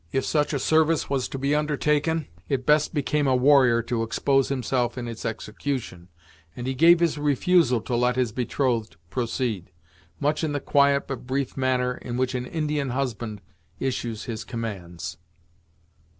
If such a service was to be undertaken, it best became a warrior to expose himself in its execution, and he gave his refusal to let his betrothed proceed, much in the quiet but brief manner in which an Indian husband issues his commands.